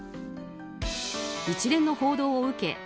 一連の報道を受け